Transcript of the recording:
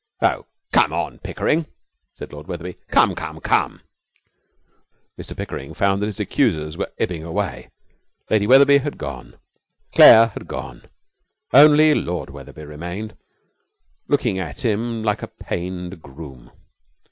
'Oh, come, Pickering!' said Lord Wetherby. 'Come, come, come!' Mr Pickering found that his accusers were ebbing away. Lady Wetherby had gone. Claire had gone. Only Lord Wetherby remained, looking at him like a pained groom.